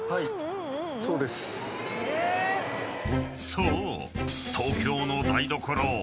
［そう］